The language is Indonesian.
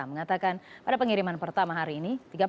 mengatakan pada pengiriman pertama hari ini